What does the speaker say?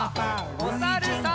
おさるさん。